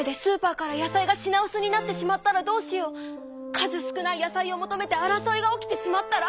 数少ない野菜を求めて争いが起きてしまったら？